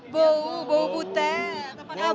bahu bahu butet